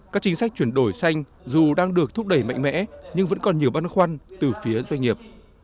các chính sách chuyển đổi xanh dù đang được thúc đẩy mạnh mẽ nhưng vẫn còn nhiều băn khoăn từ phía doanh nghiệp